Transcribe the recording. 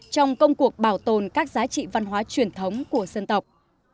trong công cuộc bảo tồn các giá trị văn hóa truyền thống của dân tộc